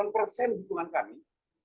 lima puluh delapan persen hitungan kami